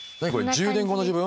１０年後の自分。